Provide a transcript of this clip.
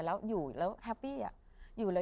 อันนี้ชอบ